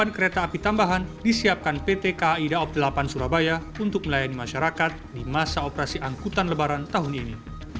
delapan kereta api tambahan disiapkan pt kai daob delapan surabaya untuk melayani masyarakat di masa operasi angkutan lebaran tahun ini